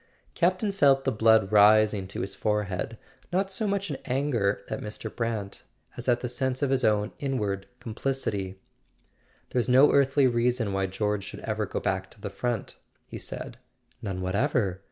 Campton felt the blood rising to his forehead, not so [ 351 ] A SON AT THE FRONT much in anger at Mr. Brant as at the sense of his own inward complicity. "There's no earthly reason why George should ever go back to the front," he said. "None whatever.